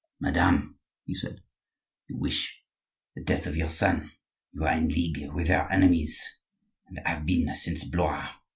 "Madame," he said, "you wish the death of your son; you are in league with our enemies, and have been since Blois.